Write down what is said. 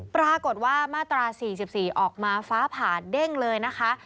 ปรากฏว่ามาตรา๔๔ออกมาฟ้าผ่าเด้งเลยนะคะ